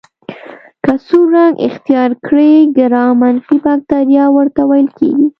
که سور رنګ اختیار کړي ګرام منفي بکټریا ورته ویل کیږي.